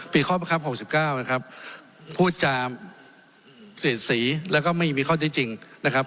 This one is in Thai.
เป็นข้อประคับ๖๙นะครับพูดจามเสียสีแล้วก็ไม่มีเคราะห์จริงนะครับ